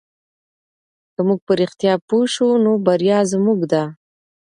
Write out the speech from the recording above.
که موږ په رښتیا پوه سو نو بریا زموږ ده.